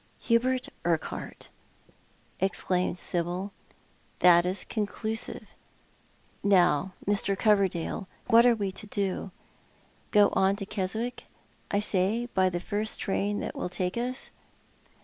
" Hubert Urquhart !" exclaimed Sibyl. " That is conclusive. Now, Mr. Coverdale, what are we to do ? Go on to Keswick, I say, by the first train that will take us."